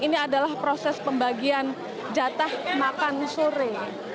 ini adalah proses pembagian jatah makan sore